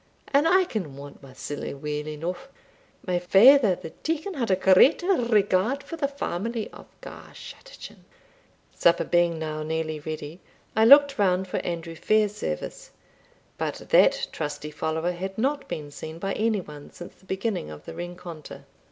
And I can want my siller weel eneugh. My father the deacon had a great regard for the family of Garschattachin." Supper being now nearly ready, I looked round for Andrew Fairservice; but that trusty follower had not been seen by any one since the beginning of the rencontre.